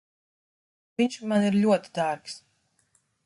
Viņš man ir ļoti dārgs.